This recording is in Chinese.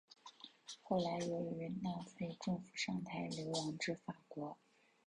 后来由于纳粹政府上台流亡至法国。